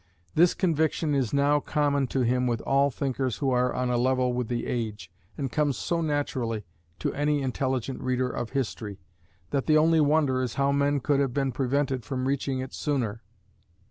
This conviction is now common to him with all thinkers who are on a level with the age, and comes so naturally to any intelligent reader of history, that the only wonder is how men could have been prevented from reaching it sooner.